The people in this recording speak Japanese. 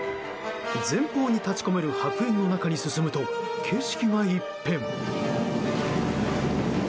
前方に立ち込める白煙の中に進むと、景色が一変。